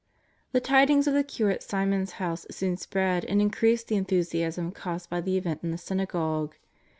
The tidings of the cure at Simon's house soon spread and increased the enthusiasm caused by the event in the synagogue.